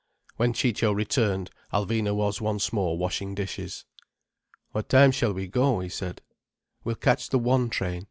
When Ciccio returned, Alvina was once more washing dishes. "What time shall we go?" he said. "We'll catch the one train.